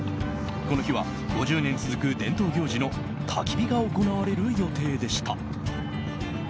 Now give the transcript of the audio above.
この日は、５０年続く伝統行事のたき火が行われる予定でした。